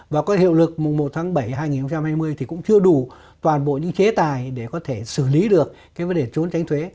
và có hiệu lực mùng một tháng bảy hai nghìn hai mươi thì cũng chưa đủ toàn bộ những chế tài để có thể xử lý được cái vấn đề trốn tránh thuế